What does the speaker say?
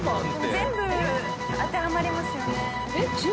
全部当てはまりますよね。